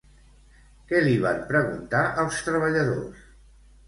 Què li van preguntar els treballadors?